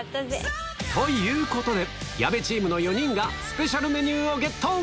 ということで、矢部チームの４人がスペシャルメニューをゲット。